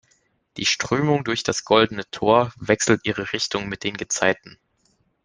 Die Strömung durch das Goldene Tor wechselt ihre Richtung mit den Gezeiten.